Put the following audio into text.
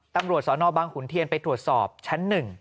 ตำรวจสนบังขุนเทียนไปตรวจสอบชั้น๑